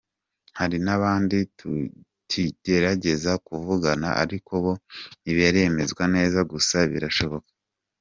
Hari n’abandi tukigerageza kuvugana ariko bo ntibiremezwa neza gusa birashoboka.